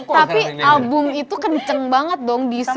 tapi album itu kenceng banget dong design